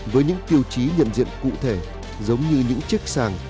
với những tiêu chí nhận diện cụ thể giống như những chiếc sàng